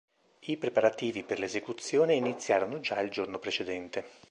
I preparativi per l'esecuzione iniziarono già il giorno precedente.